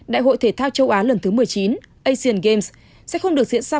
đại hội thể thao châu á lần thứ một mươi chín asian games sẽ không được diễn ra